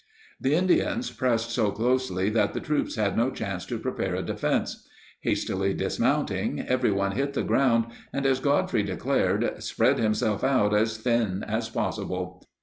The Indians pressed so closely that the troops had no chance to prepare a defense. Hastily dismounting, everyone hit the ground and, as Godfrey declared, "spread himself out as thin as possible."